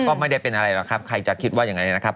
ก็ไม่ได้เป็นอะไรหรอกครับใครจะคิดว่ายังไงนะครับ